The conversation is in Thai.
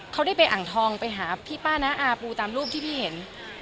เขาได้ไปอ่างทองไปหาพี่ป้าน้าอาปูตามรูปที่พี่เห็น